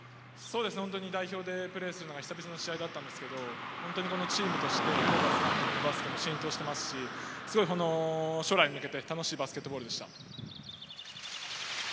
代表でプレーするのが久々の試合だったんですけど、チームとして、ホーバス監督のバスケも浸透してますし、将来に向けて楽しいバスケットボールでした。